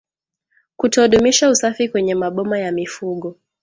kutodumisha usafi kwenye maboma ya mifugo